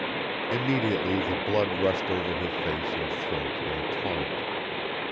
Immediately the blood rushed over her face and throat in a torrent.